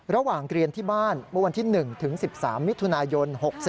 ระหว่างเรียนที่บ้านเมื่อวันที่๑ถึง๑๓มิถุนายน๖๔